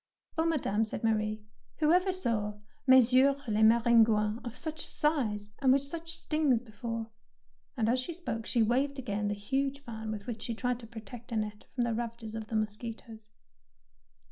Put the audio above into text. "Oh, Madame," said Marie, "who ever saw ' Messieurs les Maringouins ' of such size and with such stings before ?" and as she spoke she waved 156 THE PEABL NECKLACE again the huge fan with which she tried to protect Annette from the ravages of the mosquitoes.